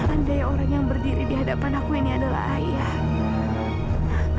andai orang yang berdiri di hadapan aku ini adalah ayah